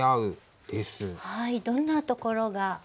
どんなところが？